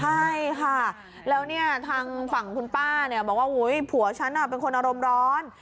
ใช่ค่ะแล้วเนี่ยทางฝั่งคุณป้าเนี่ยบอกว่าผัวฉันเป็นคนอารมณ์ร้อน